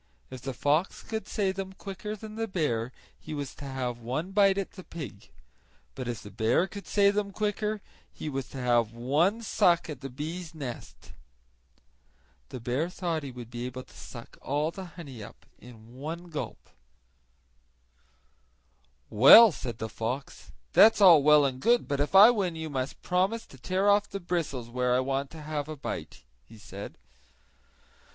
If the fox could say them quicker than the bear he was to have one bite at the pig; but if the bear could say them quicker he was to have one suck at the bee's nest. The bear thought he would be able to suck all the honey up at one gulp. "Well said the fox, "that's all well and good but if I win you must promise to tear off the bristles where I want to have a bite," he said.